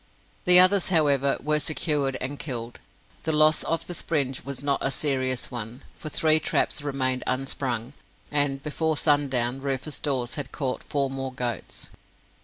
The others, however, were secured and killed. The loss of the springe was not a serious one, for three traps remained unsprung, and before sundown Rufus Dawes had caught four more goats.